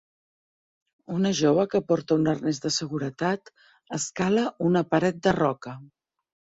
Una jove que porta un arnès de seguretat escala una paret de roca.